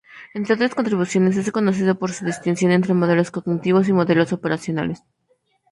Entre otras contribuciones, es conocido por su distinción entre "modelos cognitivos" y "modelos operacionales".